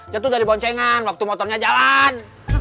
jatuh dari boncengan waktu motornya jalan